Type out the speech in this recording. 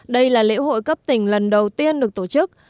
đây là lễ hội cấp tỉnh lần đầu tiên được tổ chức